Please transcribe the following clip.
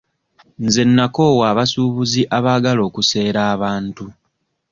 Nze nnakoowa abasuubuzi abaagala okuseera abantu.